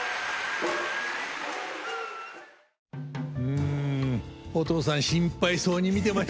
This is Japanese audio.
うんお父さん心配そうに見てましたね。